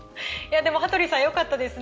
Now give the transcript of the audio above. でも羽鳥さんよかったですね。